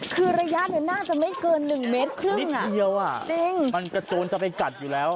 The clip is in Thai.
คือระยะเนี่ยน่าจะไม่เกินหนึ่งเมตรครึ่งนิดเดียวอ่ะจริงมันกระโจนจะไปกัดอยู่แล้ว